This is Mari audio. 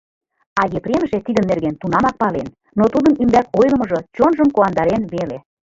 А Епремже тидын нерген тунамак пален, но тудын ӱмбак ойлымыжо чонжым куандарен веле.